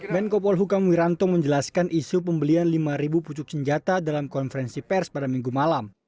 menko polhukam wiranto menjelaskan isu pembelian lima pucuk senjata dalam konferensi pers pada minggu malam